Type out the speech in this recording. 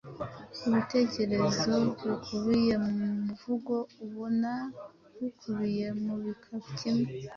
Ibitekerezo bikubiye mu muvugo, ubona bikubiye mu bika, kimwe